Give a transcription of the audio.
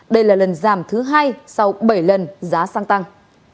đây là lần giảm thứ hai sau bảy lần giá xăng tăng